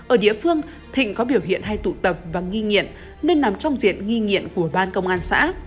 ở địa phương thịnh có biểu hiện hay tụ tập và nghi nghiện nên nằm trong diện nghi nghiện của ban công an xã